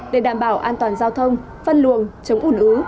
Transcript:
để đảm bảo an toàn giao thông phân luồng chống ủn ứ